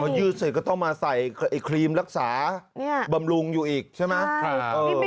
ยืดเสร็จก็ต้องมาใส่ไอ้ครีมรักษาบำรุงอยู่อีกใช่ไหม